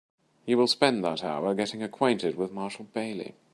You will spend that hour getting acquainted with Marshall Bailey.